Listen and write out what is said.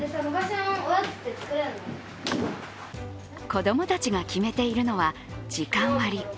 子供たちが決めているのは時間割。